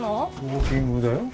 ウォーキングだよ